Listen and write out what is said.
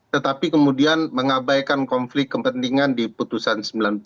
tetapi kemudian mengabaikan konflik kepentingan di putusan sembilan puluh